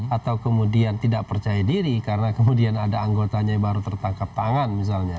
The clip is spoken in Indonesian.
atau kemudian tidak percaya diri karena kemudian ada anggotanya yang baru tertangkap tangan misalnya